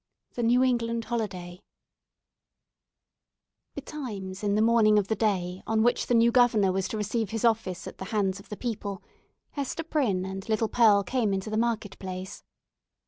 THE NEW ENGLAND HOLIDAY Betimes in the morning of the day on which the new Governor was to receive his office at the hands of the people, Hester Prynne and little Pearl came into the market place.